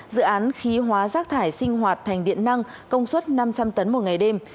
dự án khí hóa rác thải sinh hoạt thành điện năng công suất năm trăm linh tấn một ngày đêm